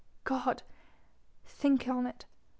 God think on it!